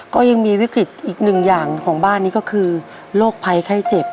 ก็ยังมีวิกฤตอีกหนึ่งอย่างของบ้านนี้ก็คือโรคภัยไข้เจ็บ